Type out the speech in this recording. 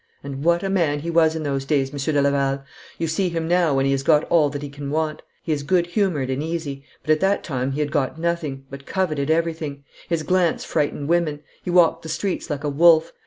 And what a man he was in those days, Monsieur de Laval! You see him now when he has got all that he can want. He is good humoured and easy. But at that time he had got nothing, but coveted everything. His glance frightened women. He walked the streets like a wolf.